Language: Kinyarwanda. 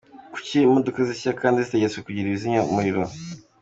Kuki imodoka zishya kandi zitegetswe kugira ibizimya umuriro?